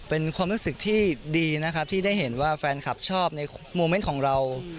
เป็นความรู้สึกที่ดีนะครับที่ได้เห็นว่าแฟนคลับชอบในโมเมนต์ของเรา